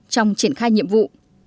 trong triển khai nhiệm vụ